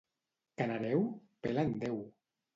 Canareu? Pela'n deu!